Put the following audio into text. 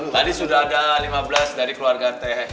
tadi sudah ada lima belas dari keluarga teh